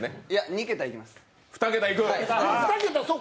２桁いきます。